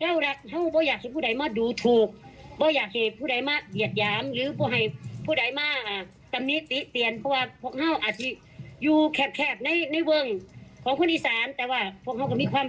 หลังจากทัวร์ลงกระหนัง